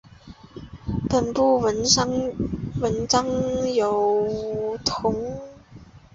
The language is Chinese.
本部纹章为五三桐。